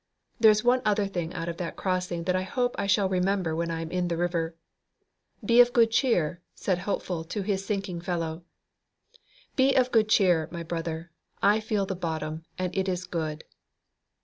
There is one other thing out of that crossing that I hope I shall remember when I am in the river: "Be of good cheer," said Hopeful to his sinking fellow "Be of good cheer, my brother, I feel the bottom, and it is good."